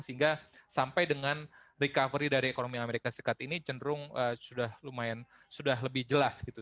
sehingga sampai dengan recovery dari ekonomi amerika serikat ini cenderung sudah lumayan sudah lebih jelas gitu